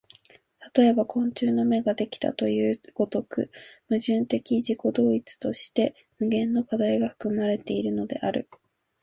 例えば昆虫の眼ができたという如く、矛盾的自己同一として無限の課題が含まれているのである。